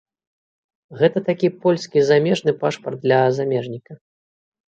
Гэта такі польскі замежны пашпарт для замежніка.